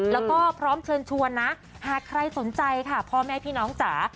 แล้วก็พร้อมเชิญชวนนะหากใครสนใจค่ะพ่อแม่พี่น้องจ๋า